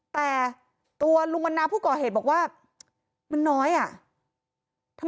แต่ตัวลุงวันนาผู้ก่อเหตุบอกว่ามันน้อยอ่ะ